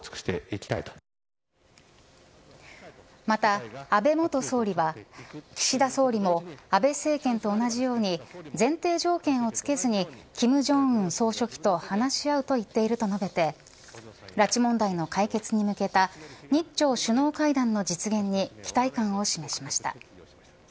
また安倍元総理は岸田総理も安倍政権と同じように前提条件をつけずに金正恩委員長と話し合うと言っていると述べ拉致問題の解決に向けた日朝首脳会談の実現に期待感を示しました。